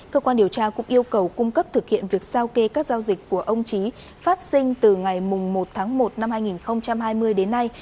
cơ quan điều tra cũng yêu cầu cung cấp thực hiện việc giao kê các giao dịch của ông trí phát sinh từ ngày một tháng một năm hai nghìn hai mươi đến nay